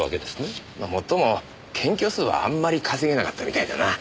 最も検挙数はあんまり稼げなかったみたいだな。